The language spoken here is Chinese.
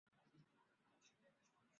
毕业之后进入动画业界。